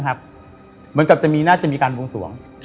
เหมือนกับจะมีน่าจะมีการบวงสวง